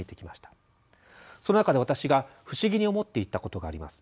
その中で私が不思議に思っていたことがあります。